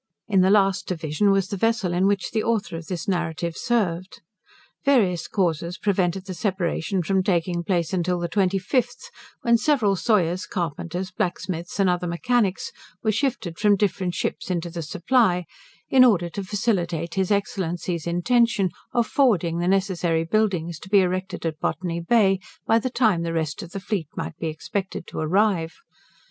In the last division was the vessel, in which the author of this narrative served. Various causes prevented the separation from taking place until the 25th, when several sawyers, carpenters, blacksmiths, and other mechanics, were shifted from different ships into the 'Supply', in order to facilitate his Excellency's intention of forwarding the necessary buildings to be erected at Botany Bay, by the time the rest of the fleet might be expected to arrive.